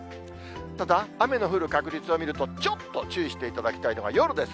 ただ、雨の降る確率を見るとちょっと注意していただきたいのが夜です。